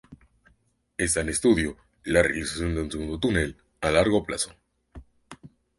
Está en estudio la realización de un segundo túnel a largo plazo.